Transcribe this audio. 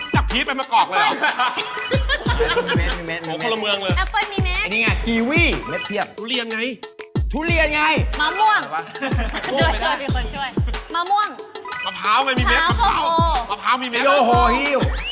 จากพีชมันมากอกเลยหรอพอละเมืองเลยทุเรียนไงทุเรียนไงมะม่วงมะม่วงมะพร้าวมันมีเม็ดมาก